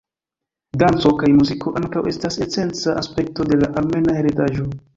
Danco kaj muziko ankaŭ estas esenca aspekto de la Armena Heredaĵo.